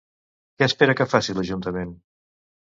Què espera que faci l'ajuntament?